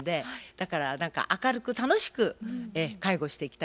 だから何か明るく楽しく介護していきたいなっていう。